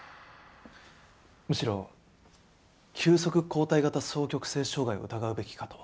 むしろ急速交代型双極性障害を疑うべきかと。